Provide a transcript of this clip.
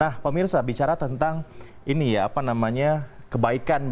nah pemirsa bicara tentang kebaikan